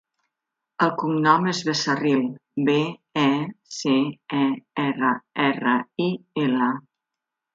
El cognom és Becerril: be, e, ce, e, erra, erra, i, ela.